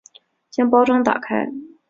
将包装打开